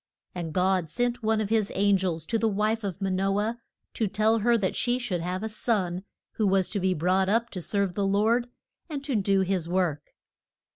And God sent one of his an gels to the wife of Ma no ah to tell her that she should have a son who was to be brought up to serve the Lord, and to do his work.